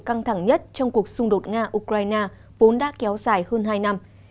căng thẳng nhất trong cuộc xung đột nga ukraine vốn đã kéo dài hơn hai năm